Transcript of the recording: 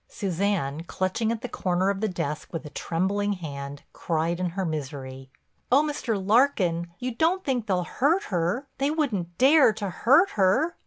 Suzanne, clutching at the corner of the desk with a trembling hand, cried in her misery: "Oh, Mr. Larkin, you don't think they'll hurt her. They wouldn't dare to hurt her?"